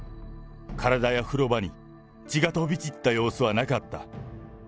体や風呂場に血が飛び散った様子はなかった。